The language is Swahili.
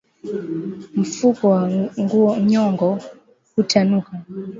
Mfuko wa nyongo hutanuka